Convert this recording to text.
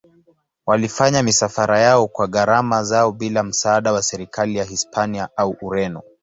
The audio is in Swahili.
Walifanya misafara yao kwa gharama zao bila msaada wa serikali ya Hispania au Ureno.